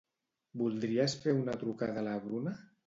Voldries fer una trucada a la Bruna?